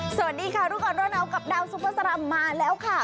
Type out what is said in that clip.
สวัสดีค่ะลูกออนโรนัลกับดาวซูเปอร์สารัมป์มาแล้วค่ะ